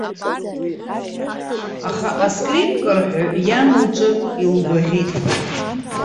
Аха аскрипкарҳәаҩ иан лҿы илгәаӷьит.